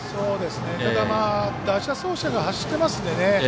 ただ、打者走者が走ってますんでね。